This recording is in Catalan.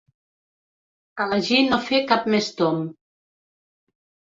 Elegir no fer cap més tomb.